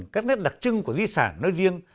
các nét đặc trưng của di sản nơi riêng